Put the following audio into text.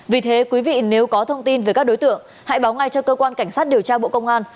vì thế quý vị nếu có thông tin về các đối tượng hãy báo ngay cho cơ quan cảnh sát điều tra bộ công an